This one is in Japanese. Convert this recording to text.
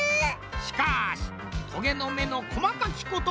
しかしトゲのめのこまかきこと